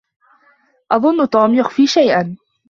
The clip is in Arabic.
أظنّ توم يخفي شيئًا.